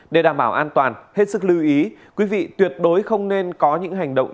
để đảm bảo an toàn hết sức lưu ý quý vị tuyệt đối không nên có những hành động